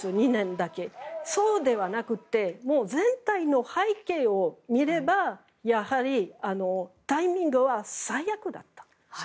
そうではなく全体の背景を見ればやはりタイミングは最悪だった。